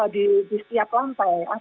di setiap lantai